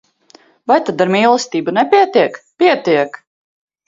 Vai tad ar mīlestību nepietiek? Pietiek!